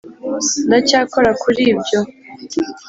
ndacyakora kuri ibyo.